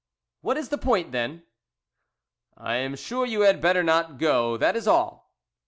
"What is the point then?" "I am sure you had better not go, that is all!"